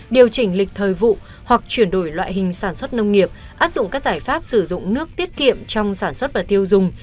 điều chỉnh lịch thời vụ hoặc chuyển đổi loại hình sản xuất nông nghiệp áp dụng các giải pháp sử dụng nước tiết kiệm trong sản xuất và tiêu dùng